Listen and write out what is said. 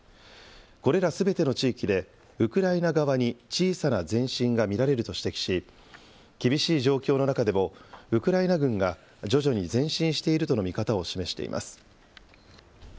これらすべての地域で、ウクライナ側に小さな前進が見られると指摘し、厳しい状況の中でも、ウクライナ軍が徐々に前進しているとの見方を示しています。